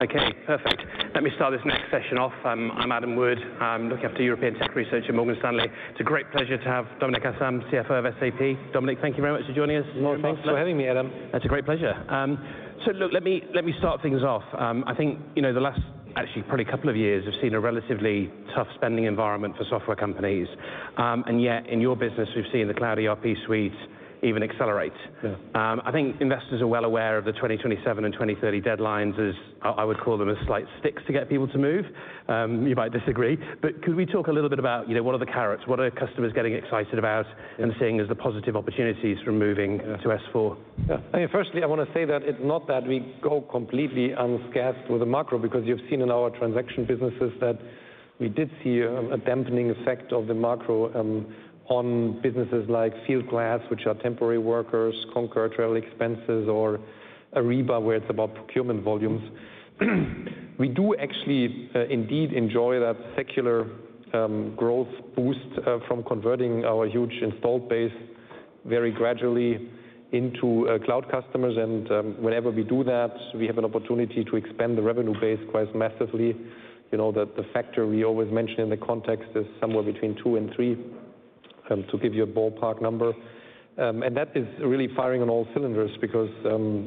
Okay, perfect. Let me start this next session off. I'm Adam Wood. I'm looking after European tech research at Morgan Stanley. It's a great pleasure to have Dominik Asam, CFO of SAP. Dominik, thank you very much for joining us. Thanks for having me, Adam. It's a great pleasure, so look, let me start things off. I think the last, actually, probably a couple of years have seen a relatively tough spending environment for software companies, and yet, in your business, we've seen the cloud ERP suites even accelerate. I think investors are well aware of the 2027 and 2030 deadlines as, I would call them, as slight sticks to get people to move. You might disagree, but could we talk a little bit about what are the carrots? What are customers getting excited about and seeing as the positive opportunities for moving to S/4? Yeah. I mean, firstly, I want to say that it's not that we go completely unscathed with the macro, because you've seen in our transaction businesses that we did see a dampening effect of the macro on businesses like Fieldglass, which are temporary workers, Concur travel expenses, or Ariba, where it's about procurement volumes. We do actually indeed enjoy that secular growth boost from converting our huge installed base very gradually into cloud customers. And whenever we do that, we have an opportunity to expand the revenue base quite massively. The factor we always mention in the context is somewhere between two and three, to give you a ballpark number. And that is really firing on all cylinders, because,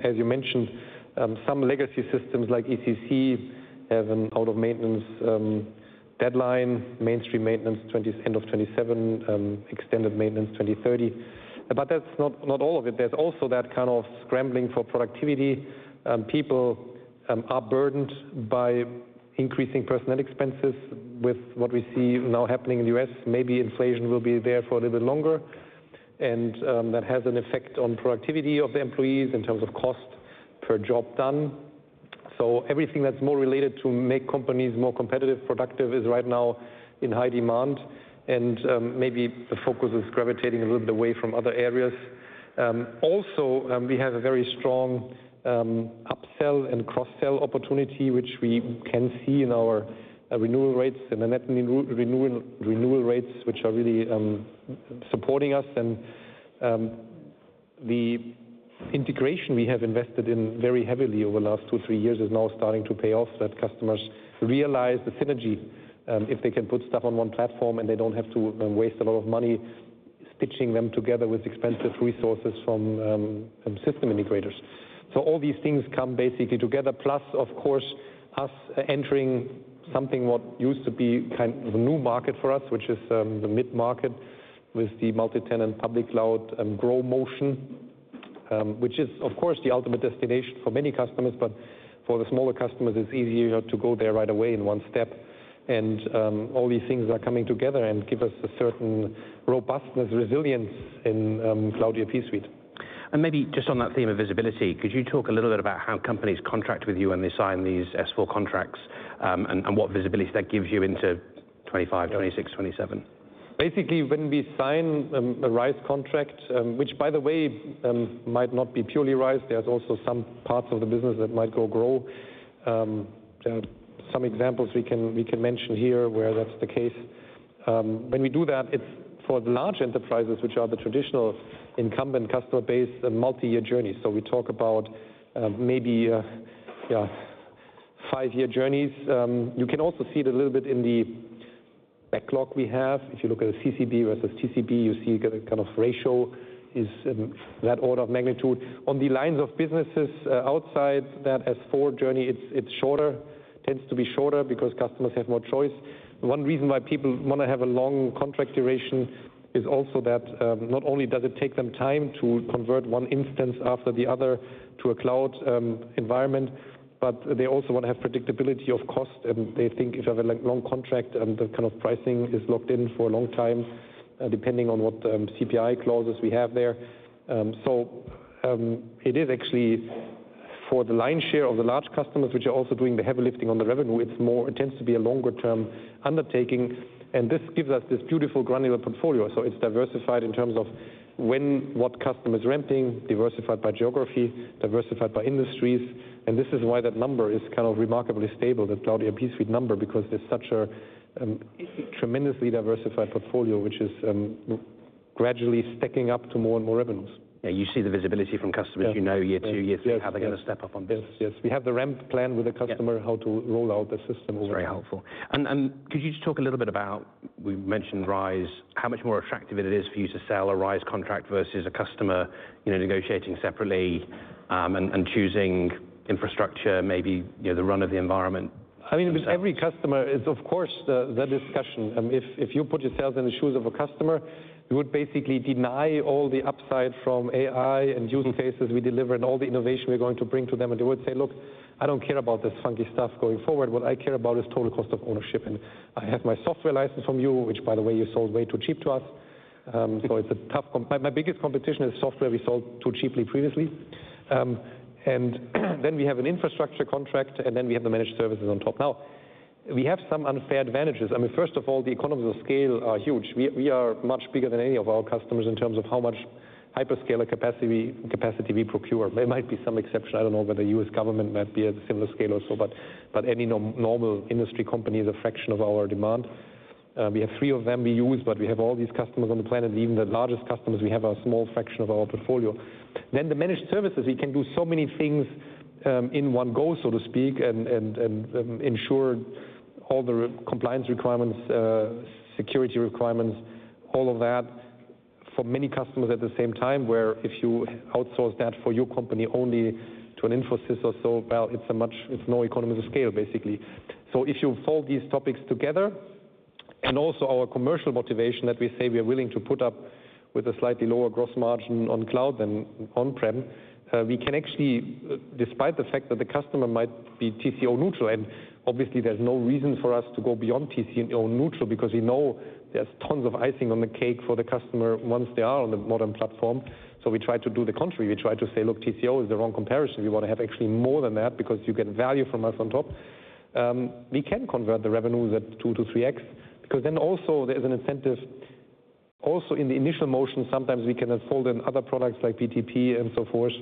as you mentioned, some legacy systems like ECC have an out-of-maintenance deadline, mainstream maintenance end of 2027, extended maintenance 2030. But that's not all of it. There's also that kind of scrambling for productivity. People are burdened by increasing personnel expenses with what we see now happening in the U.S. Maybe inflation will be there for a little bit longer. And that has an effect on productivity of the employees in terms of cost per job done. So everything that's more related to make companies more competitive, productive is right now in high demand. And maybe the focus is gravitating a little bit away from other areas. Also, we have a very strong upsell and cross-sell opportunity, which we can see in our renewal rates and net renewal rates, which are really supporting us. And the integration we have invested in very heavily over the last two or three years is now starting to pay off. That customers realize the synergy if they can put stuff on one platform, and they don't have to waste a lot of money stitching them together with expensive resources from system integrators, so all these things come basically together, plus, of course, us entering something what used to be kind of a new market for us, which is the mid-market with the multi-tenant public cloud GROW with SAP, which is, of course, the ultimate destination for many customers, but for the smaller customers, it's easier to go there right away in one step, and all these things are coming together and give us a certain robustness, resilience in Cloud ERP Suite. Maybe just on that theme of visibility, could you talk a little bit about how companies contract with you when they sign these S/4 contracts and what visibility that gives you into 2025, 2026, 2027? Basically, when we sign a RISE contract, which, by the way, might not be purely RISE, there's also some parts of the business that might go GROW. There are some examples we can mention here where that's the case. When we do that, it's for the large enterprises, which are the traditional incumbent customer-based multi-year journeys. So we talk about maybe five-year journeys. You can also see it a little bit in the backlog we have. If you look at the CCB versus TCV, you see the kind of ratio is that order of magnitude. On the lines of business outside that S/4 journey, it's shorter, tends to be shorter, because customers have more choice. One reason why people want to have a long contract duration is also that not only does it take them time to convert one instance after the other to a cloud environment, but they also want to have predictability of cost. And they think if you have a long contract, the kind of pricing is locked in for a long time, depending on what CPI clauses we have there. So it is actually for the lion's share of the large customers, which are also doing the heavy lifting on the revenue. It tends to be a longer-term undertaking. And this gives us this beautiful granular portfolio. So it's diversified in terms of when what customer is renting, diversified by geography, diversified by industries. This is why that number is kind of remarkably stable, that Cloud ERP Suite number, because there's such a tremendously diversified portfolio, which is gradually stacking up to more and more revenues. Yeah, you see the visibility from customers, you know, year two, year three, how they're going to step up on this. Yes, yes. We have the ramp plan with the customer, how to roll out the system. It's very helpful. And could you just talk a little bit about, we mentioned RISE, how much more attractive it is for you to sell a RISE contract versus a customer negotiating separately and choosing infrastructure, maybe the run of the environment? I mean, with every customer, it's, of course, the discussion. If you put yourselves in the shoes of a customer, you would basically deny all the upside from AI and use cases we deliver and all the innovation we're going to bring to them. And they would say, look, I don't care about this funky stuff going forward. What I care about is total cost of ownership. And I have my software license from you, which, by the way, you sold way too cheap to us. So it's a tough comp. My biggest competition is software we sold too cheaply previously. And then we have an infrastructure contract, and then we have the managed services on top. Now, we have some unfair advantages. I mean, first of all, the economies of scale are huge. We are much bigger than any of our customers in terms of how much hyperscaler capacity we procure. There might be some exception. I don't know whether the U.S. Government might be at a similar scale or so, but any normal industry company is a fraction of our demand. We have three of them we use, but we have all these customers on the planet, even the largest customers. We have a small fraction of our portfolio. Then the managed services, we can do so many things in one go, so to speak, and ensure all the compliance requirements, security requirements, all of that for many customers at the same time, where if you outsource that for your company only to an Infosys or so, well, it's no economies of scale, basically. So if you fold these topics together, and also our commercial motivation that we say we are willing to put up with a slightly lower gross margin on cloud than on-prem, we can actually, despite the fact that the customer might be TCO neutral, and obviously, there's no reason for us to go beyond TCO neutral, because we know there's tons of icing on the cake for the customer once they are on the modern platform. So we try to do the contrary. We try to say, look, TCO is the wrong comparison. We want to have actually more than that, because you get value from us on top. We can convert the revenues at two-three X, because then also there's an incentive. Also, in the initial motion, sometimes we can fold in other products like BTP and so forth.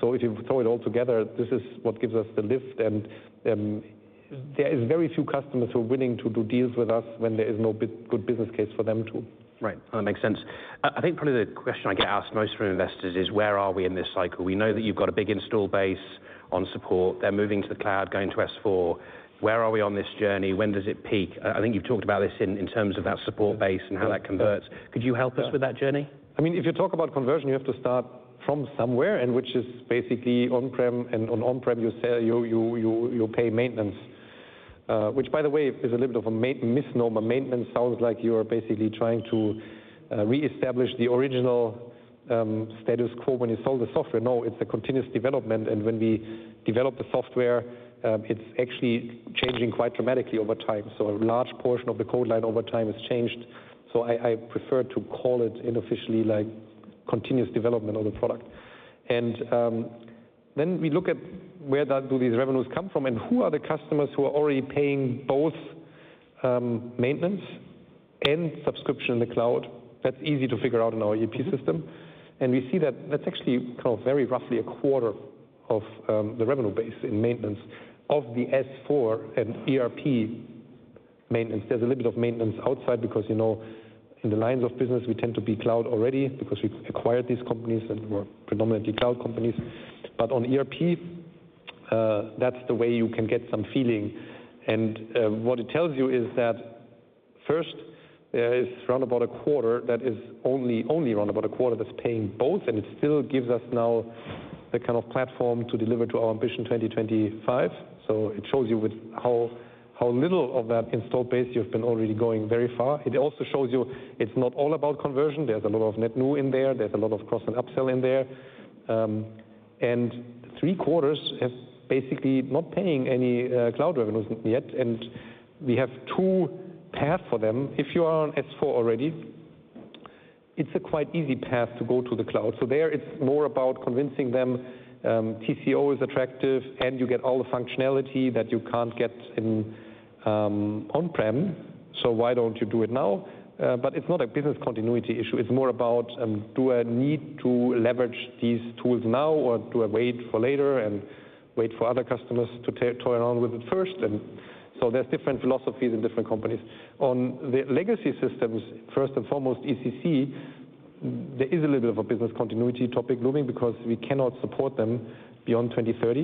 So if you throw it all together, this is what gives us the lift. And there are very few customers who are willing to do deals with us when there is no good business case for them to. Right. That makes sense. I think probably the question I get asked most from investors is, where are we in this cycle? We know that you've got a big install base on support. They're moving to the cloud, going to S/4. Where are we on this journey? When does it peak? I think you've talked about this in terms of that support base and how that converts. Could you help us with that journey? I mean, if you talk about conversion, you have to start from somewhere, which is basically on-prem. And on-prem, you pay maintenance, which, by the way, is a little bit of a misnomer. Maintenance sounds like you are basically trying to reestablish the original status quo when you sold the software. No, it's a continuous development. And when we develop the software, it's actually changing quite dramatically over time. So a large portion of the code line over time is changed. So I prefer to call it unofficially like continuous development of the product. And then we look at where do these revenues come from, and who are the customers who are already paying both maintenance and subscription in the cloud? That's easy to figure out in our ERP system. And we see that that's actually kind of very roughly a quarter of the revenue base in maintenance of the S/4 and ERP maintenance. There's a little bit of maintenance outside, because in the lines of business, we tend to be cloud already, because we acquired these companies that were predominantly cloud companies. But on ERP, that's the way you can get some feeling. And what it tells you is that, first, there is round about a quarter that is only round about a quarter that's paying both. And it still gives us now the kind of platform to deliver to our Ambition 2025. So it shows you how little of that installed base you have been already going very far. It also shows you it's not all about conversion. There's a lot of net new in there. There's a lot of cross and upsell in there. And three quarters have basically not paying any cloud revenues yet. And we have two paths for them. If you are on S/4 already, it's a quite easy path to go to the cloud. So there, it's more about convincing them TCO is attractive, and you get all the functionality that you can't get on-prem. So why don't you do it now? But it's not a business continuity issue. It's more about, do I need to leverage these tools now, or do I wait for later and wait for other customers to toy around with it first? And so there's different philosophies in different companies. On the legacy systems, first and foremost, ECC, there is a little bit of a business continuity topic looming, because we cannot support them beyond 2030.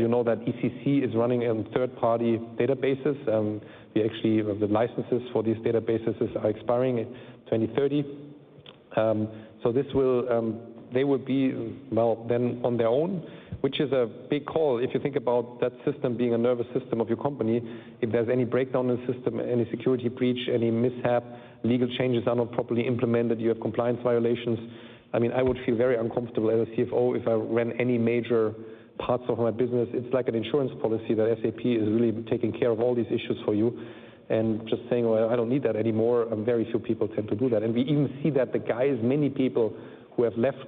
You know that ECC is running on third-party databases. The licenses for these databases are expiring in 2030. So they will be well then on their own, which is a big call. If you think about that system being a nervous system of your company, if there's any breakdown in the system, any security breach, any mishap, legal changes are not properly implemented, you have compliance violations. I mean, I would feel very uncomfortable as a CFO if I ran any major parts of my business. It's like an insurance policy that SAP is really taking care of all these issues for you. And just saying, well, I don't need that anymore, very few people tend to do that. And we even see that the guys, many people who have left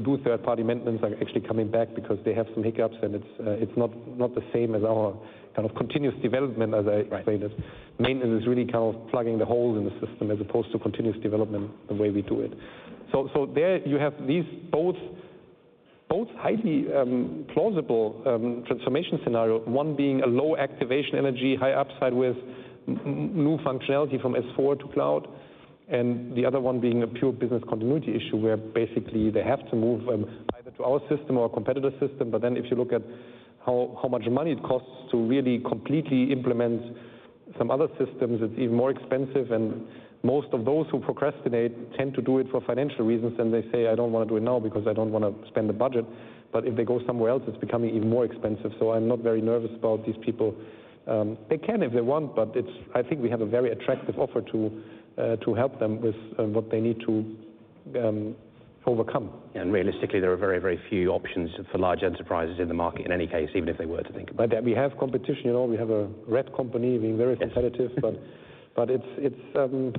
to do third-party maintenance are actually coming back, because they have some hiccups. And it's not the same as our kind of continuous development, as I explained it. Maintenance is really kind of plugging the holes in the system, as opposed to continuous development the way we do it. So there you have these both highly plausible transformation scenarios, one being a low activation energy, high upside with new functionality from S/4 to cloud, and the other one being a pure business continuity issue, where basically they have to move either to our system or a competitor system. But then if you look at how much money it costs to really completely implement some other systems, it's even more expensive. And most of those who procrastinate tend to do it for financial reasons. And they say, I don't want to do it now, because I don't want to spend the budget. But if they go somewhere else, it's becoming even more expensive. So I'm not very nervous about these people. They can if they want, but I think we have a very attractive offer to help them with what they need to overcome. Yeah, and realistically, there are very, very few options for large enterprises in the market in any case, even if they were to think about it. But we have competition. We have an ERP company being very competitive. But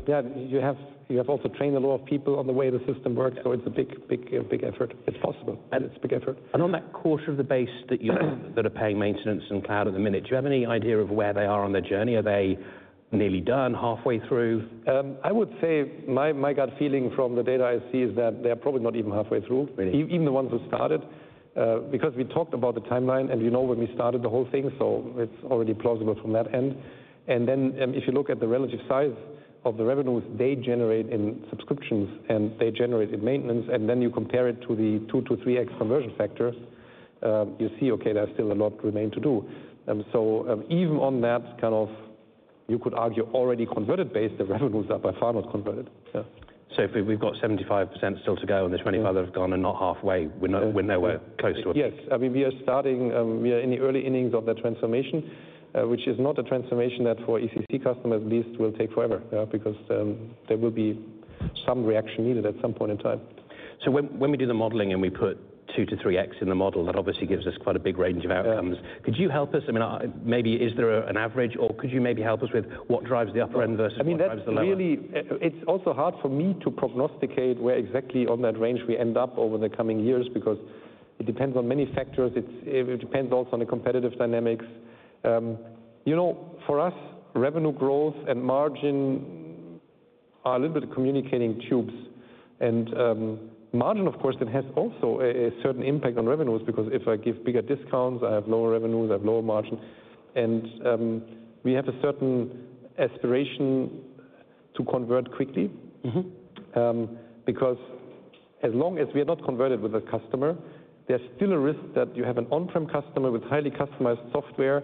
yeah, you have also trained a lot of people on the way the system works. So it's a big, big effort. It's possible, and it's a big effort. On that quarter of the base that are paying maintenance and cloud at the minute, do you have any idea of where they are on their journey? Are they nearly done, halfway through? I would say my gut feeling from the data I see is that they are probably not even halfway through, even the ones who started, because we talked about the timeline. And you know when we started the whole thing. So it's already plausible from that end. And then if you look at the relative size of the revenues they generate in subscriptions and they generate in maintenance, and then you compare it to the two to three X conversion factor, you see, OK, there's still a lot remaining to do. So even on that kind of, you could argue, already converted base, the revenues are by far not converted. So we've got 75% still to go, and there's 25% that have gone and not halfway. We're nowhere close to it. Yes. I mean, we are starting, we are in the early innings of that transformation, which is not a transformation that, for ECC customers at least, will take forever, because there will be some reaction needed at some point in time. So when we do the modeling and we put two to three X in the model, that obviously gives us quite a big range of outcomes. Could you help us? I mean, maybe is there an average, or could you maybe help us with what drives the upper end versus what drives the lower? I mean, that's really, it's also hard for me to prognosticate where exactly on that range we end up over the coming years, because it depends on many factors. It depends also on the competitive dynamics. You know, for us, revenue growth and margin are a little bit of communicating vessels, and margin, of course, it has also a certain impact on revenues, because if I give bigger discounts, I have lower revenues, I have lower margin, and we have a certain aspiration to convert quickly, because as long as we are not converted with a customer, there's still a risk that you have an on-prem customer with highly customized software,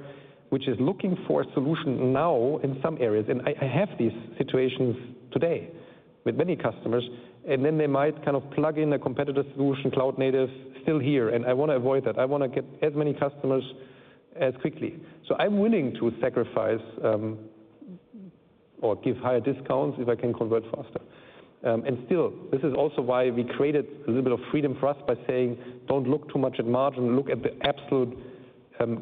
which is looking for a solution now in some areas, and I have these situations today with many customers, and then they might kind of plug in a competitor solution, cloud native, still here. And I want to avoid that. I want to get as many customers as quickly. So I'm willing to sacrifice or give higher discounts if I can convert faster. And still, this is also why we created a little bit of freedom for us by saying, don't look too much at margin. Look at the absolute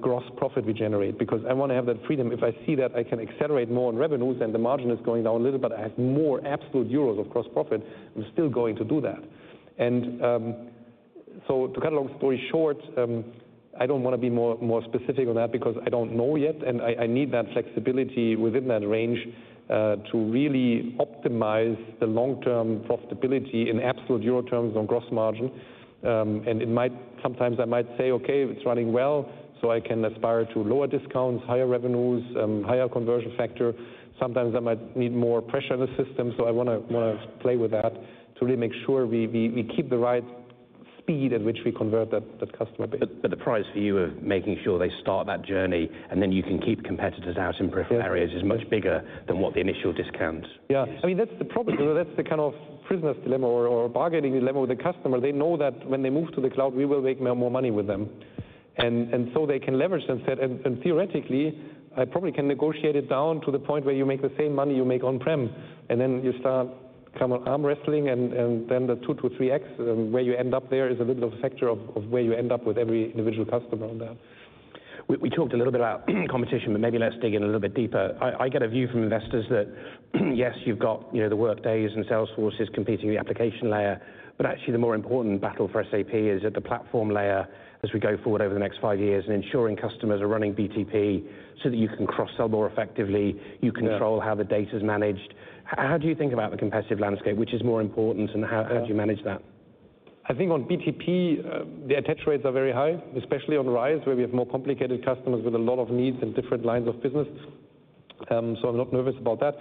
gross profit we generate, because I want to have that freedom. If I see that I can accelerate more in revenues and the margin is going down a little, but I have more absolute euros of gross profit, I'm still going to do that. And so to cut a long story short, I don't want to be more specific on that, because I don't know yet. And I need that flexibility within that range to really optimize the long-term profitability in absolute euro terms on gross margin. Sometimes I might say, OK, it's running well, so I can aspire to lower discounts, higher revenues, higher conversion factor. Sometimes I might need more pressure in the system. I want to play with that to really make sure we keep the right speed at which we convert that customer base. But the price for you of making sure they start that journey and then you can keep competitors out in peripheral areas is much bigger than what the initial discount. Yeah. I mean, that's the problem. That's the kind of prisoner's dilemma or bargaining dilemma with the customer. They know that when they move to the cloud, we will make more money with them. And so they can leverage themselves. And theoretically, I probably can negotiate it down to the point where you make the same money you make on-prem. And then you start kind of arm wrestling. And then the two to three X, where you end up there, is a little bit of a factor of where you end up with every individual customer on that. We talked a little bit about competition, but maybe let's dig in a little bit deeper. I get a view from investors that, yes, you've got the Workday and Salesforce competing in the application layer. But actually, the more important battle for SAP is at the platform layer as we go forward over the next five years and ensuring customers are running BTP so that you can cross-sell more effectively, you control how the data is managed. How do you think about the competitive landscape, which is more important, and how do you manage that? I think on BTP, the attach rates are very high, especially on RISE, where we have more complicated customers with a lot of needs and different lines of business. So I'm not nervous about that.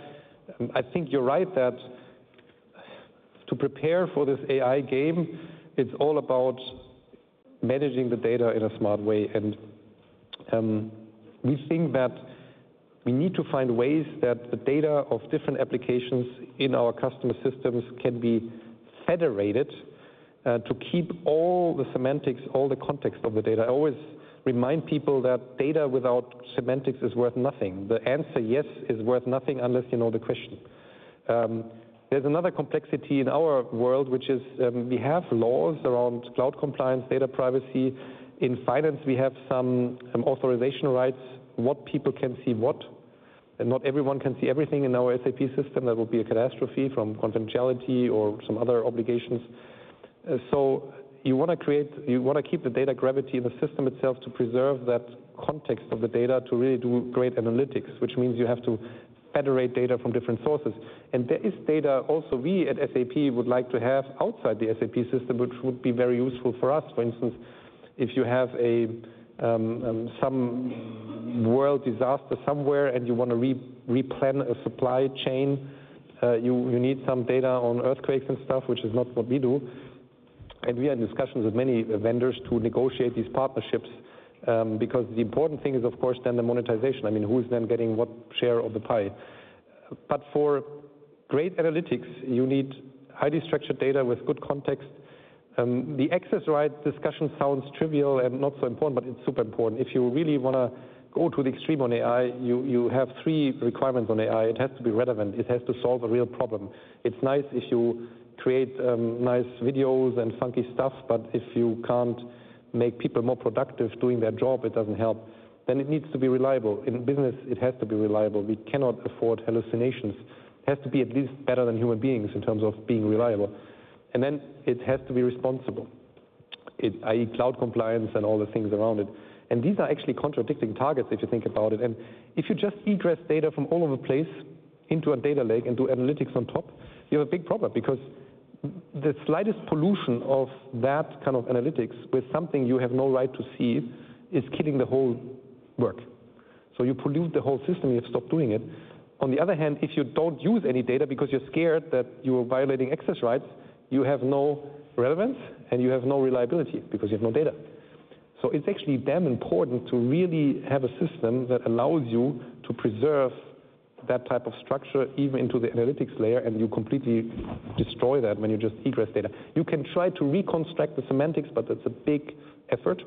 I think you're right that to prepare for this AI game, it's all about managing the data in a smart way. And we think that we need to find ways that the data of different applications in our customer systems can be federated to keep all the semantics, all the context of the data. I always remind people that data without semantics is worth nothing. The answer, yes, is worth nothing unless you know the question. There's another complexity in our world, which is we have laws around cloud compliance, data privacy. In finance, we have some authorization rights, what people can see what. And not everyone can see everything in our SAP system. That would be a catastrophe from confidentiality or some other obligations. So you want to create, you want to keep the data gravity in the system itself to preserve that context of the data to really do great analytics, which means you have to federate data from different sources. And there is data also we at SAP would like to have outside the SAP system, which would be very useful for us. For instance, if you have some world disaster somewhere and you want to replan a supply chain, you need some data on earthquakes and stuff, which is not what we do. And we are in discussions with many vendors to negotiate these partnerships, because the important thing is, of course, then the monetization. I mean, who is then getting what share of the pie? But for great analytics, you need highly structured data with good context. The access right discussion sounds trivial and not so important, but it's super important. If you really want to go to the extreme on AI, you have three requirements on AI. It has to be relevant. It has to solve a real problem. It's nice if you create nice videos and funky stuff, but if you can't make people more productive doing their job, it doesn't help. Then it needs to be reliable. In business, it has to be reliable. We cannot afford hallucinations. It has to be at least better than human beings in terms of being reliable. And then it has to be responsible, i.e., cloud compliance and all the things around it, and these are actually contradicting targets if you think about it. And if you just egress data from all over the place into a data lake and do analytics on top, you have a big problem, because the slightest pollution of that kind of analytics with something you have no right to see is killing the whole work. So you pollute the whole system. You have stopped doing it. On the other hand, if you don't use any data because you're scared that you are violating access rights, you have no relevance, and you have no reliability, because you have no data. So it's actually damn important to really have a system that allows you to preserve that type of structure even into the analytics layer. And you completely destroy that when you just egress data. You can try to reconstruct the semantics, but that's a big effort.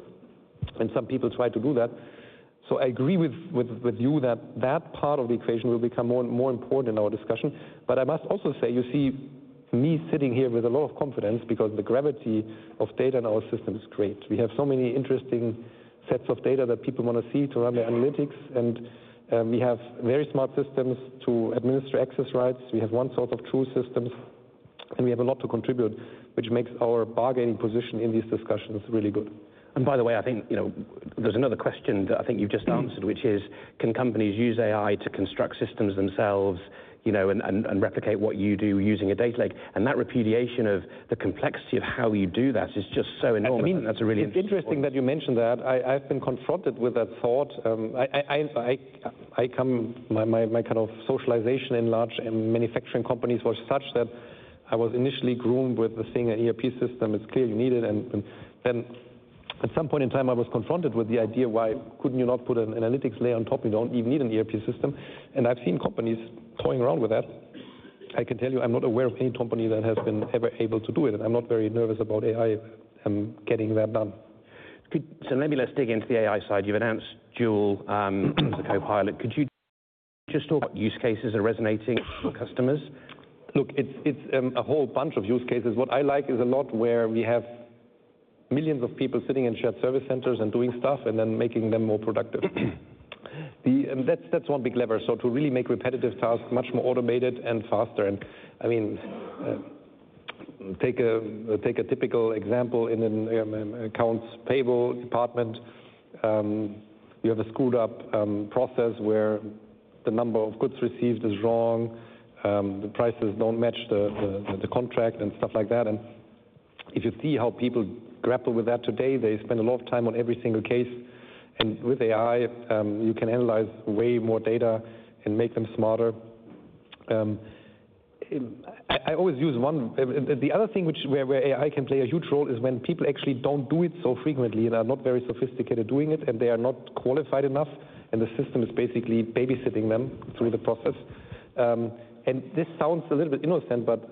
And some people try to do that. So I agree with you that that part of the equation will become more important in our discussion. But I must also say, you see me sitting here with a lot of confidence, because the gravity of data in our system is great. We have so many interesting sets of data that people want to see to run their analytics. And we have very smart systems to administer access rights. We have one source of truth systems. And we have a lot to contribute, which makes our bargaining position in these discussions really good. And by the way, I think there's another question that I think you've just answered, which is, can companies use AI to construct systems themselves and replicate what you do using a data lake? And that replication of the complexity of how you do that is just so enormous. That's a really interesting. It's interesting that you mentioned that. I've been confronted with that thought. My kind of socialization in large manufacturing companies was such that I was initially groomed with the thing, an ERP system. It's clear you need it. And then at some point in time, I was confronted with the idea, why couldn't you not put an analytics layer on top? You don't even need an ERP system. And I've seen companies toying around with that. I can tell you I'm not aware of any company that has been ever able to do it. And I'm not very nervous about AI getting that done. Maybe let's dig into the AI side. You've announced Joule, the co-pilot. Could you just talk about use cases that are resonating with customers? Look, it's a whole bunch of use cases. What I like is a lot where we have millions of people sitting in shared service centers and doing stuff and then making them more productive. That's one big lever. So to really make repetitive tasks much more automated and faster. And I mean, take a typical example in an accounts payable department. You have a screwed-up process where the number of goods received is wrong. The prices don't match the contract and stuff like that. And if you see how people grapple with that today, they spend a lot of time on every single case. And with AI, you can analyze way more data and make them smarter. I always use one. The other thing where AI can play a huge role is when people actually don't do it so frequently and are not very sophisticated doing it, and they are not qualified enough. And the system is basically babysitting them through the process. And this sounds a little bit innocent, but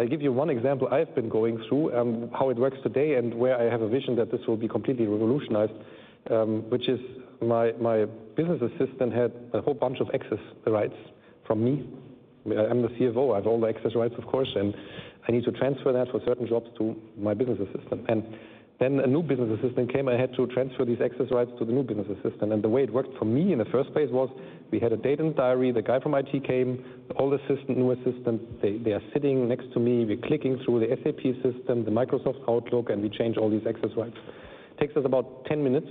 I'll give you one example I've been going through how it works today and where I have a vision that this will be completely revolutionized, which is my business assistant had a whole bunch of access rights from me. I'm the CFO. I have all the access rights, of course. And I need to transfer that for certain jobs to my business assistant. And then a new business assistant came. I had to transfer these access rights to the new business assistant. And the way it worked for me in the first place was we had a day in the diary. The guy from IT came, the old assistant, new assistant. They are sitting next to me. We're clicking through the SAP system, the Microsoft Outlook, and we change all these access rights. It takes us about 10 minutes.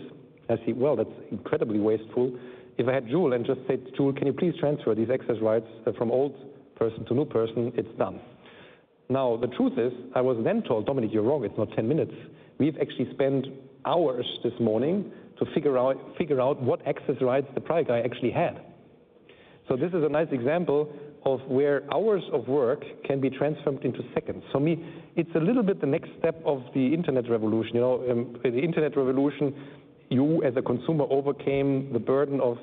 I see, well, that's incredibly wasteful. If I had Joule and just said, Joule, can you please transfer these access rights from old person to new person? It's done. Now, the truth is, I was then told, Dominik, you're wrong. It's not 10 minutes. We've actually spent hours this morning to figure out what access rights the prior guy actually had. So this is a nice example of where hours of work can be transformed into seconds. For me, it's a little bit the next step of the internet revolution. The internet revolution. You as a consumer overcame the burden of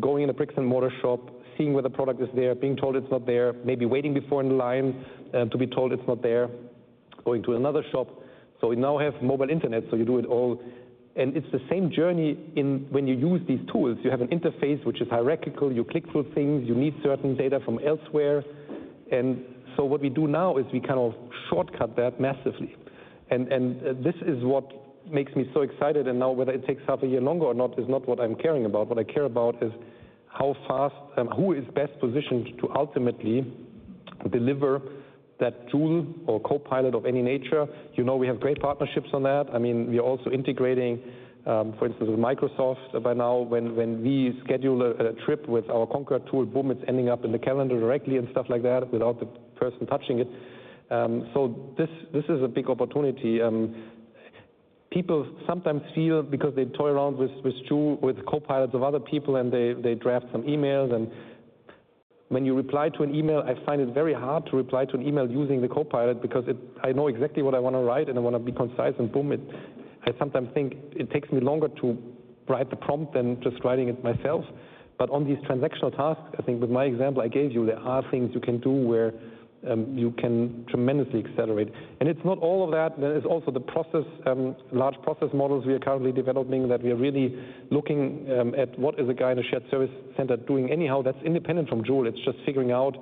going in a bricks and mortar shop, seeing where the product is there, being told it's not there, maybe waiting before in line to be told it's not there, going to another shop. So we now have mobile internet. So you do it all. And it's the same journey when you use these tools. You have an interface, which is hierarchical. You click through things. You need certain data from elsewhere. And so what we do now is we kind of shortcut that massively. And this is what makes me so excited. And now whether it takes half a year longer or not is not what I'm caring about. What I care about is how fast, who is best positioned to ultimately deliver that tool or co-pilot of any nature. You know, we have great partnerships on that. I mean, we are also integrating, for instance, with Microsoft by now. When we schedule a trip with our Concur tool, boom, it's ending up in the calendar directly and stuff like that without the person touching it. So this is a big opportunity. People sometimes feel, because they toy around with co-pilots of other people, and they draft some emails. And when you reply to an email, I find it very hard to reply to an email using the co-pilot, because I know exactly what I want to write. And I want to be concise. And boom, I sometimes think it takes me longer to write the prompt than just writing it myself. But on these transactional tasks, I think with my example I gave you, there are things you can do where you can tremendously accelerate. And it's not all of that. There's also the large process models we are currently developing that we are really looking at what is a guy in a shared service center doing anyhow that's independent from Joule. It's just figuring out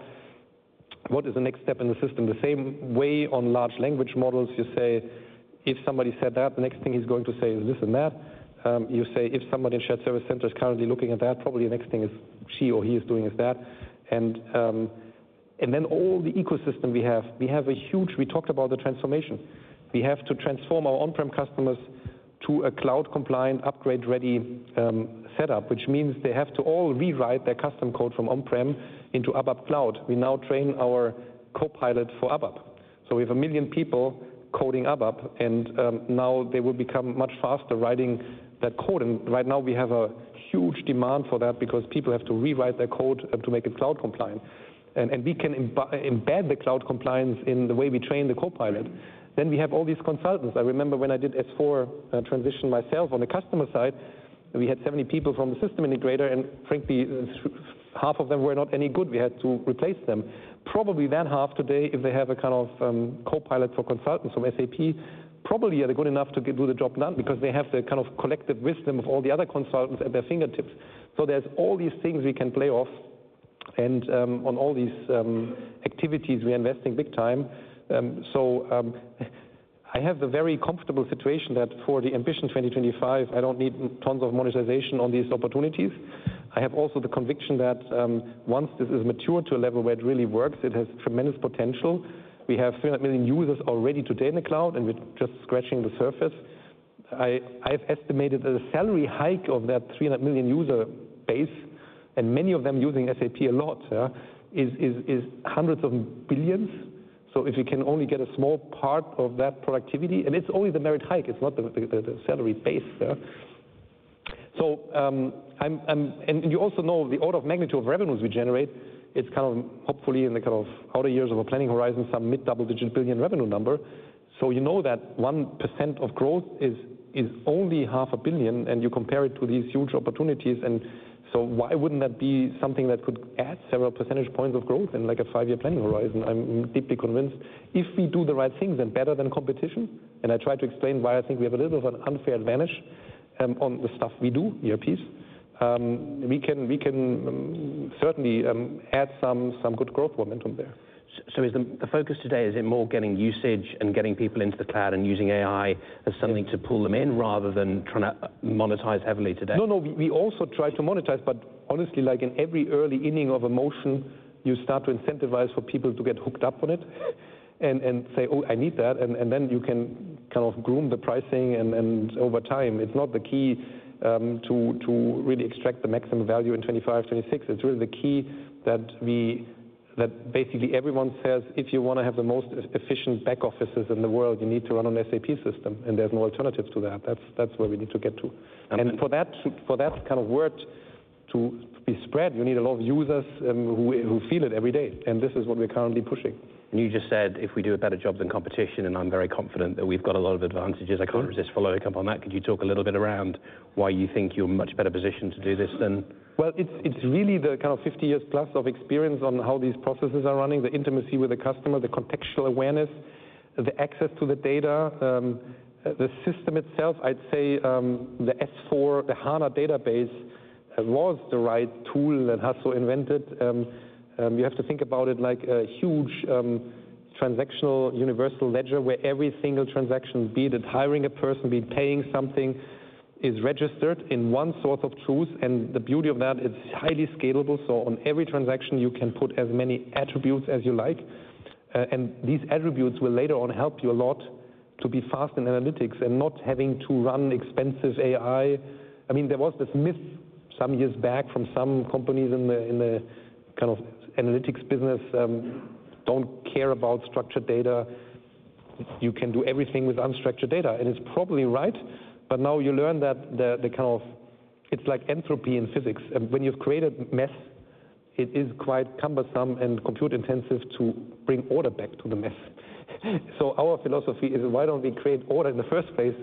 what is the next step in the system. The same way on large language models, you say, if somebody said that, the next thing he's going to say is this and that. You say, if somebody in a shared service center is currently looking at that, probably the next thing she or he is doing is that. And then all the ecosystem we have, we have a huge we talked about the transformation. We have to transform our on-prem customers to a cloud-compliant, upgrade-ready setup, which means they have to all rewrite their custom code from on-prem into ABAP Cloud. We now train our co-pilot for ABAP. So we have a million people coding ABAP. And now they will become much faster writing that code. And right now, we have a huge demand for that, because people have to rewrite their code to make it cloud-compliant. And we can embed the cloud compliance in the way we train the co-pilot. Then we have all these consultants. I remember when I did S/4 transition myself on the customer side, we had 70 people from the system integrator. And frankly, half of them were not any good. We had to replace them. Probably then half today, if they have a kind of co-pilot for consultants from SAP, probably are good enough to do the job done, because they have the kind of collective wisdom of all the other consultants at their fingertips. So there's all these things we can play off. And on all these activities, we are investing big time. I have the very comfortable situation that for the Ambition 2025, I don't need tons of monetization on these opportunities. I have also the conviction that once this is matured to a level where it really works, it has tremendous potential. We have 300 million users already today in the cloud, and we're just scratching the surface. I've estimated the salary hike of that 300 million user base, and many of them using SAP a lot, is hundreds of billions. So if we can only get a small part of that productivity, and it's only the merit hike. It's not the salary base. And you also know the order of magnitude of revenues we generate, it's kind of hopefully in the kind of outer years of a planning horizon, some mid-double-digit billion revenue number. So you know that 1% of growth is only €500 million. You compare it to these huge opportunities. So why wouldn't that be something that could add several percentage points of growth in like a five-year planning horizon? I'm deeply convinced if we do the right things and better than competition, and I try to explain why I think we have a little bit of an unfair advantage on the stuff we do, ERPs, we can certainly add some good growth momentum there. So the focus today is in more getting usage and getting people into the cloud and using AI as something to pull them in rather than trying to monetize heavily today. No, no. We also try to monetize. But honestly, like in every early inning of adoption, you start to incentivize for people to get hooked up on it and say, oh, I need that. And then you can kind of groom the pricing. And over time, it's not the key to really extract the maximum value in 2025, 2026. It's really the key that basically everyone says, if you want to have the most efficient back offices in the world, you need to run an SAP system. And there's no alternative to that. That's where we need to get to. And for that kind of work to be spread, you need a lot of users who feel it every day. And this is what we're currently pushing. And you just said, if we do a better job than competition, and I'm very confident that we've got a lot of advantages. I can't resist following up on that. Could you talk a little bit around why you think you're in a much better position to do this than? It's really the kind of 50 years plus of experience on how these processes are running, the intimacy with the customer, the contextual awareness, the access to the data, the system itself. I'd say the S/4, the HANA database was the right tool that Hasso invented. You have to think about it like a huge transactional universal ledger where every single transaction, be it hiring a person, be it paying something, is registered in one source of truth. The beauty of that, it's highly scalable. On every transaction, you can put as many attributes as you like. These attributes will later on help you a lot to be fast in analytics and not having to run expensive AI. I mean, there was this myth some years back from some companies in the kind of analytics business: don't care about structured data. You can do everything with unstructured data. And it's probably right. But now you learn that the kind of it's like entropy in physics. And when you've created mess, it is quite cumbersome and compute-intensive to bring order back to the mess. So our philosophy is, why don't we create order in the first place?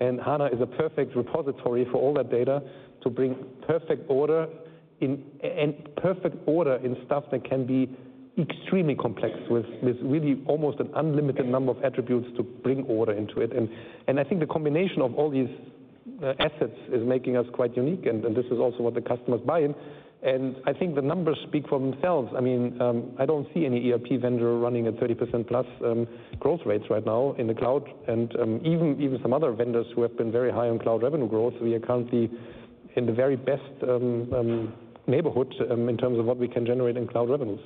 And HANA is a perfect repository for all that data to bring perfect order in and perfect order in stuff that can be extremely complex with really almost an unlimited number of attributes to bring order into it. And I think the combination of all these assets is making us quite unique. And this is also what the customers buy. And I think the numbers speak for themselves. I mean, I don't see any ERP vendor running at 30% plus growth rates right now in the cloud. Even some other vendors who have been very high on cloud revenue growth, we are currently in the very best neighborhood in terms of what we can generate in cloud revenues.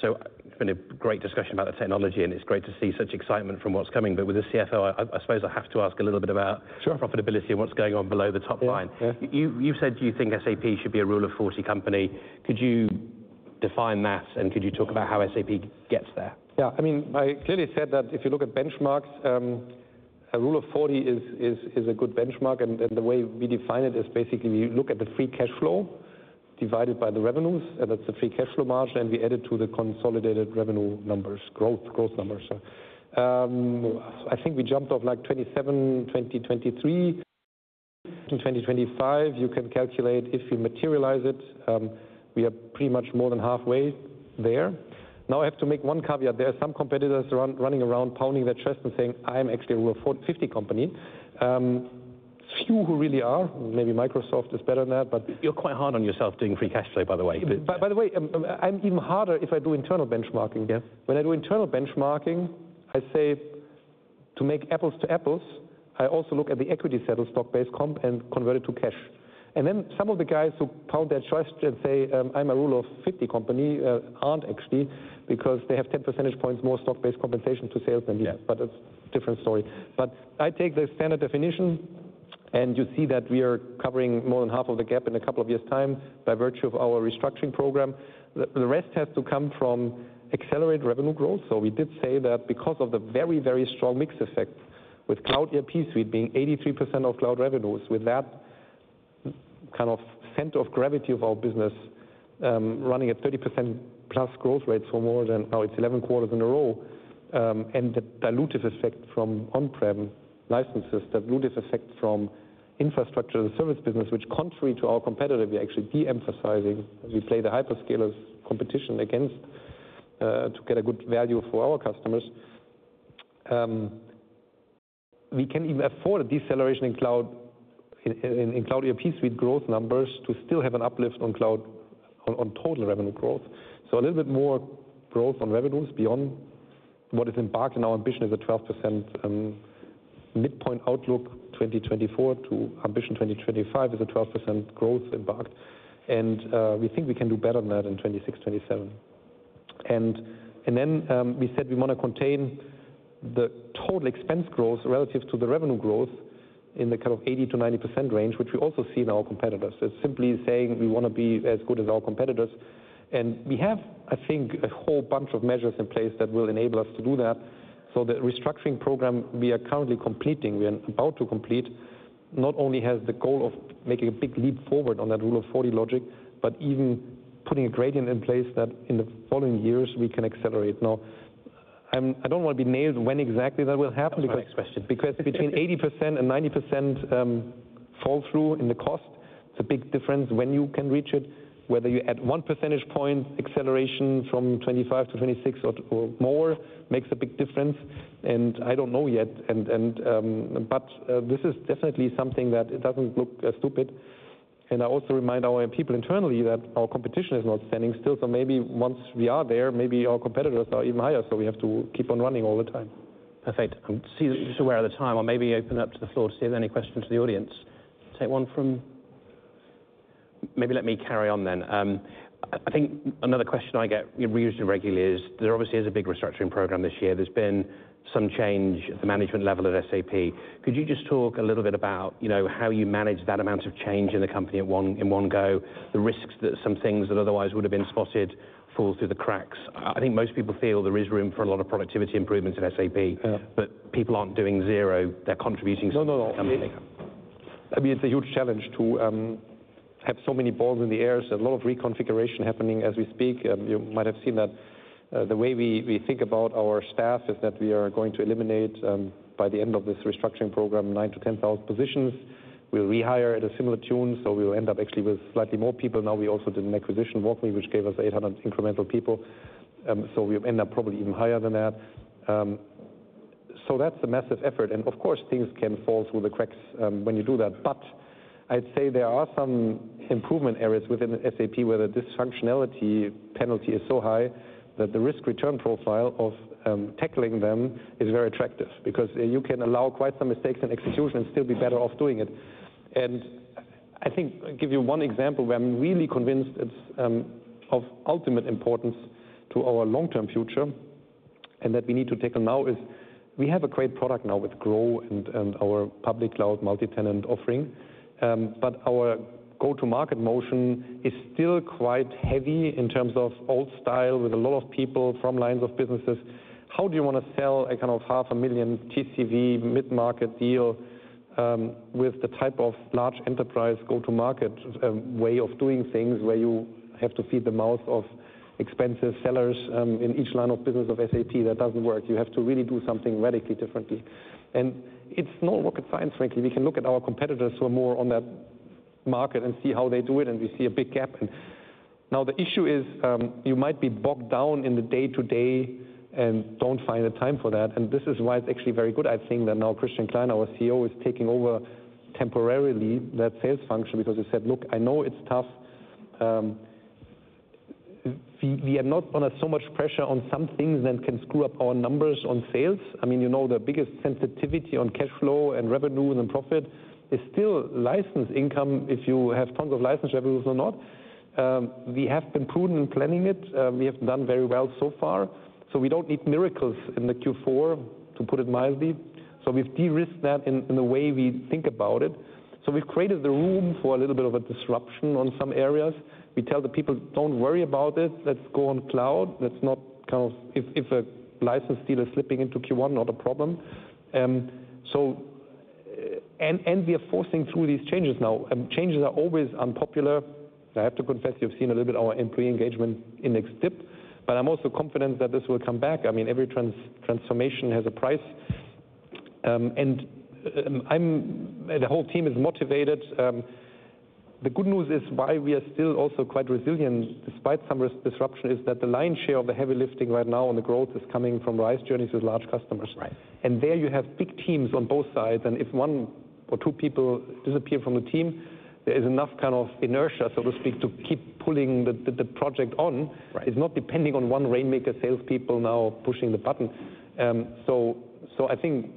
So it's been a great discussion about the technology. And it's great to see such excitement from what's coming. But with the CFO, I suppose I have to ask a little bit about profitability and what's going on below the top line. You've said you think SAP should be a Rule of 40 company. Could you define that? And could you talk about how SAP gets there? Yeah. I mean, I clearly said that if you look at benchmarks, a Rule of 40 is a good benchmark, and the way we define it is basically we look at the free cash flow divided by the revenues. And that's the free cash flow margin, and we add it to the consolidated revenue numbers, growth numbers. So I think we jumped off like 27, 2023. In 2025, you can calculate if you materialize it, we are pretty much more than halfway there. Now I have to make one caveat. There are some competitors running around pounding their chest and saying, I am actually a Rule of 50 company. It's few who really are. Maybe Microsoft is better than that. You're quite hard on yourself doing free cash flow, by the way. By the way, I'm even harder if I do internal benchmarking. When I do internal benchmarking, I say to make apples to apples, I also look at the equity settled stock-based comp and convert it to cash. And then some of the guys who pound their chest and say, I'm a Rule of 50 company aren't actually, because they have 10 percentage points more stock-based compensation to sales than these. But that's a different story. But I take the standard definition. And you see that we are covering more than half of the gap in a couple of years' time by virtue of our restructuring program. The rest has to come from accelerated revenue growth. So we did say that because of the very, very strong mix effect with Cloud ERP Suite being 83% of cloud revenues, with that kind of center of gravity of our business running at 30% plus growth rates for more than, now it's 11 quarters in a row. And the dilutive effect from on-prem licenses, the dilutive effect from infrastructure and service business, which, contrary to our competitor, we're actually de-emphasizing. We play the hyperscalers competition against to get a good value for our customers. We can even afford a deceleration in Cloud ERP Suite growth numbers to still have an uplift on total revenue growth. So a little bit more growth on revenues beyond what is embarked in our ambition is a 12% midpoint outlook 2024 to Ambition 2025 is a 12% growth embarked. And we think we can do better than that in 2026, 2027. And then we said we want to contain the total expense growth relative to the revenue growth in the kind of 80%-90% range, which we also see in our competitors. It's simply saying we want to be as good as our competitors. And we have, I think, a whole bunch of measures in place that will enable us to do that. So the restructuring program we are currently completing, we are about to complete, not only has the goal of making a big leap forward on that Rule of 40 logic, but even putting a gradient in place that in the following years we can accelerate. Now, I don't want to be nailed when exactly that will happen. That's the next question. Because between 80%-90% fall through in the cost, it's a big difference when you can reach it. Whether you add 1 percentage point acceleration from 2025 to 2026 or more makes a big difference. And I don't know yet. But this is definitely something that doesn't look stupid. And I also remind our people internally that our competition is not standing still. So maybe once we are there, maybe our competitors are even higher. So we have to keep on running all the time. Perfect. I'm just aware of the time. I'll maybe open up to the floor to see if there are any questions from the audience. Take one from maybe let me carry on then. I think another question I get really regularly is there obviously is a big restructuring program this year. There's been some change at the management level at SAP. Could you just talk a little bit about how you manage that amount of change in the company in one go, the risks that some things that otherwise would have been spotted fall through the cracks? I think most people feel there is room for a lot of productivity improvements at SAP. But people aren't doing zero. They're contributing something to the company. No, no, no. I mean, it's a huge challenge to have so many balls in the air and a lot of reconfiguration happening as we speak. You might have seen that. The way we think about our staff is that we are going to eliminate by the end of this restructuring program 9,000-10,000 positions. We'll rehire at a similar tune. So we will end up actually with slightly more people. Now we also did an acquisition WalkMe which gave us 800 incremental people. So we end up probably even higher than that. So that's a massive effort. And of course, things can fall through the cracks when you do that. But I'd say there are some improvement areas within SAP where the dysfunctionality penalty is so high that the risk-return profile of tackling them is very attractive. Because you can allow quite some mistakes in execution and still be better off doing it, and I think I'll give you one example where I'm really convinced it's of ultimate importance to our long-term future and that we need to tackle now is we have a great product now with GROW and our public cloud multi-tenant offering. But our go-to-market motion is still quite heavy in terms of old style with a lot of people from lines of business. How do you want to sell a kind of €500,000 TCV mid-market deal with the type of large enterprise go-to-market way of doing things where you have to feed the mouths of expensive sellers in each line of business of SAP? That doesn't work. You have to really do something radically differently, and it's no rocket science, frankly. We can look at our competitors who are more on that market and see how they do it, and we see a big gap, and now the issue is you might be bogged down in the day-to-day and don't find the time for that, and this is why it's actually very good, I think, that now Christian Klein, our CEO, is taking over temporarily that sales function because he said, look, I know it's tough. We are not under so much pressure on some things that can screw up our numbers on sales. I mean, you know the biggest sensitivity on cash flow and revenue and profit is still license income if you have tons of license revenues or not. We have been prudent in planning it. We have done very well so far, so we don't need miracles in the Q4, to put it mildly. So we've de-risked that in the way we think about it. So we've created the room for a little bit of a disruption on some areas. We tell the people, don't worry about it. Let's go on cloud. That's not kind of if a license deal is slipping into Q1, not a problem. And we are forcing through these changes now. Changes are always unpopular. I have to confess you've seen a little bit of our employee engagement index dip. But I'm also confident that this will come back. I mean, every transformation has a price. And the whole team is motivated. The good news is why we are still also quite resilient despite some disruption is that the lion's share of the heavy lifting right now on the growth is coming from RISE journeys with large customers. And there you have big teams on both sides. If one or two people disappear from the team, there is enough kind of inertia, so to speak, to keep pulling the project on. It's not depending on one rainmaker salespeople now pushing the button. So I think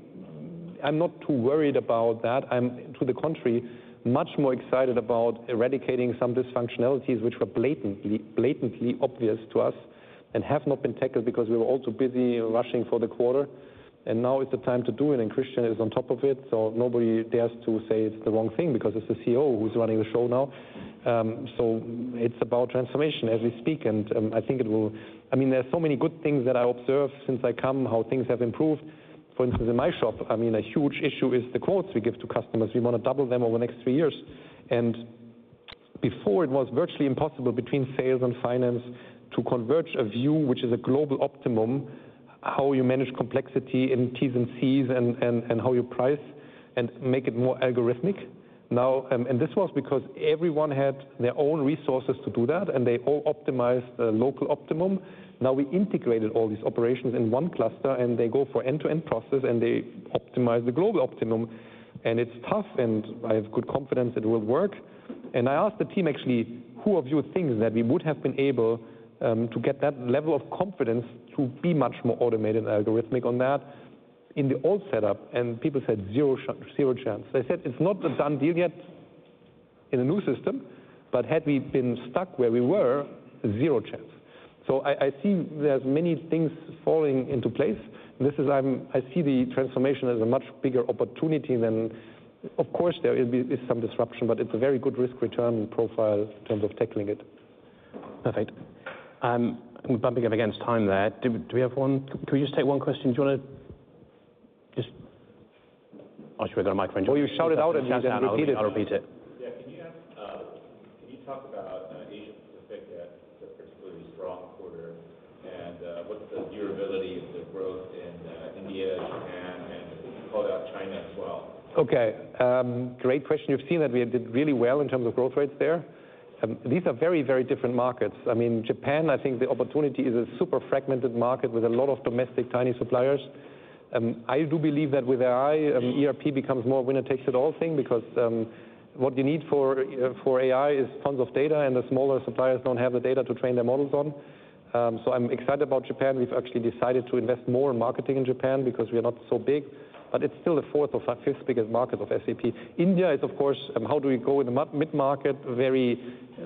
I'm not too worried about that. I'm, to the contrary, much more excited about eradicating some dysfunctionalities which were blatantly obvious to us and have not been tackled because we were all too busy rushing for the quarter. And now it's the time to do it. And Christian is on top of it. So nobody dares to say it's the wrong thing because it's the CEO who's running the show now. So it's about transformation as we speak. And I think it will. I mean, there are so many good things that I observe since I came how things have improved. For instance, in my shop, I mean, a huge issue is the quotes we give to customers. We want to double them over the next three years, and before it was virtually impossible between sales and finance to converge a view which is a global optimum, how you manage complexity in Ts and Cs and how you price and make it more algorithmic, and this was because everyone had their own resources to do that, and they all optimized the local optimum. Now we integrated all these operations in one cluster, and they go for end-to-end process, and they optimize the global optimum, and it's tough, and I have good confidence it will work, and I asked the team actually who of you thinks that we would have been able to get that level of confidence to be much more automated and algorithmic on that in the old setup? And people said zero chance. They said it's not a done deal yet in a new system. But had we been stuck where we were, zero chance. So I see there's many things falling into place. I see the transformation as a much bigger opportunity than, of course, there is some disruption. But it's a very good risk-return profile in terms of tackling it. Perfect. I'm bumping up against time there. Do we have one? Can we just take one question? Do you want to just? I'll just worry that a microphone. You shout it out and repeat it. Yeah. Can you talk about Asia Pacific, that's a particularly strong quarter? And what's the durability of the growth in India, Japan, and you called out China as well? OK. Great question. You've seen that we did really well in terms of growth rates there. These are very, very different markets. I mean, Japan, I think the opportunity is a super fragmented market with a lot of domestic tiny suppliers. I do believe that with AI, ERP becomes more a winner-takes-it-all thing. Because what you need for AI is tons of data. And the smaller suppliers don't have the data to train their models on. So I'm excited about Japan. We've actually decided to invest more in marketing in Japan because we are not so big. But it's still the fourth or fifth biggest market of SAP. India is, of course, how do we go in the mid-market, very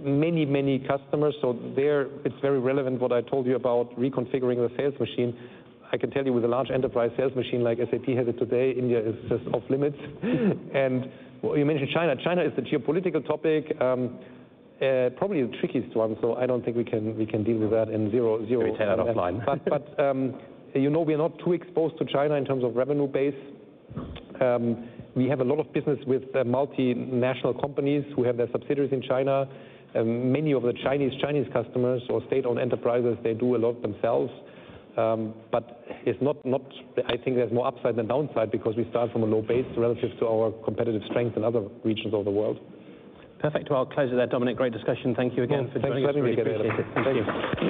many, many customers. So it's very relevant what I told you about reconfiguring the sales machine. I can tell you with a large enterprise sales machine like SAP has it today, India is just off limits, and you mentioned China. China is the geopolitical topic, probably the trickiest one, so I don't think we can deal with that in zero-. Pretend out of line. But you know we are not too exposed to China in terms of revenue base. We have a lot of business with multinational companies who have their subsidiaries in China. Many of the Chinese customers or state-owned enterprises, they do a lot themselves. But I think there's more upside than downside because we start from a low base relative to our competitive strength in other regions of the world. Perfect. Well, I'll close with that, Dominik. Great discussion. Thank you again for joining us. Thanks for having me. Thank you.